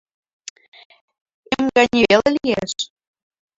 Эм гане веле лие».